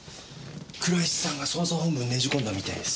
倉石さんが捜査本部にねじ込んだみたいです。